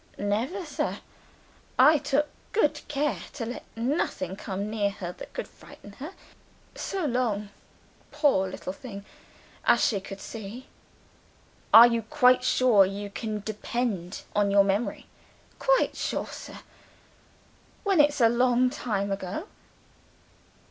"Never, sir! I took good care to let nothing come near her that could frighten her so long, poor little thing, as she could see." "Are you quite sure you can depend on your memory?" "Quite sure, sir when it's a long time ago."